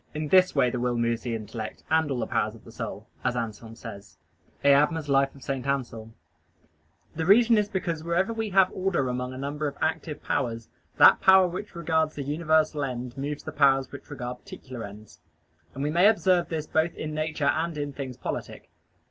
In this way the will moves the intellect and all the powers of the soul, as Anselm says (Eadmer, De Similitudinibus). The reason is, because wherever we have order among a number of active powers, that power which regards the universal end moves the powers which regard particular ends. And we may observe this both in nature and in things politic.